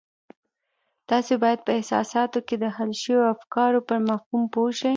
تاسې بايد په احساساتو کې د حل شويو افکارو پر مفهوم پوه شئ.